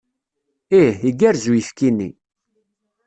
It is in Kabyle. Ih, igerrez uyefki-nni.